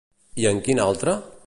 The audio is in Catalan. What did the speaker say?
I en quin altre?